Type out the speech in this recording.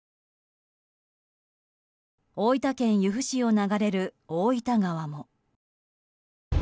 大分県由布市を流れる大分川も。